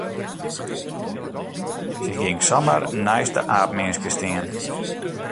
Se gyng samar neist de aapminske stean.